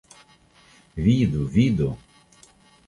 Vidu, vidu!